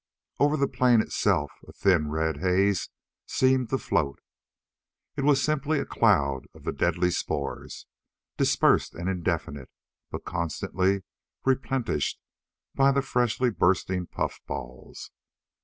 Over the plain itself a thin red haze seemed to float. It was simply a cloud of the deadly spores, dispersed and indefinite, but constantly replenished by the freshly bursting puffballs.